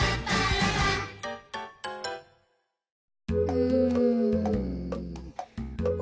うん。